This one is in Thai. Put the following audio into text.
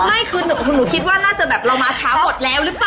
ไม่คือหนูคิดว่าน่าจะแบบเรามาช้าหมดแล้วหรือเปล่า